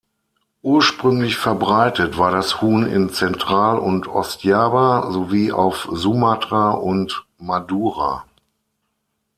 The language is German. Ursprünglich verbreitet war das Huhn in Zentral- und Ostjava sowie auf Sumatra und Madura.